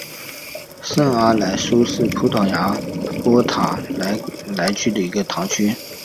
圣阿莱舒是葡萄牙波塔莱格雷区的一个堂区。